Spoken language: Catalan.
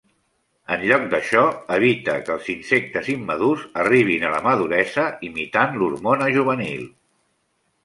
En lloc d'això evita que els insectes immadurs arribin a la maduresa imitant l'hormona juvenil.